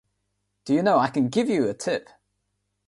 Do you know, I can give you a tip.